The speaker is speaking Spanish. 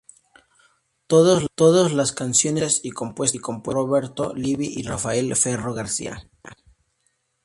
Todos las canciones escritas y compuestas por Roberto Livi y Rafael Ferro García.